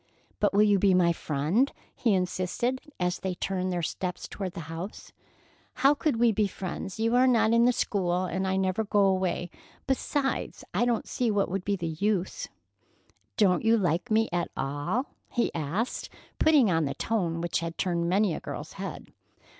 "But will you be my friend?" he insisted, as they turned their steps toward the house. "How could we be friends? You are not in the school, and I never go away. Besides, I don't see what would be the use." "Don't you like me at all?" he asked, putting on the tone which had turned many a girl's head.